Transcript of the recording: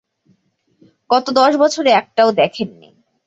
গত দশ বছরে একটাও দেখেন নি।